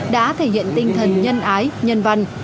đã thể hiện tinh thần nhân ái nhân văn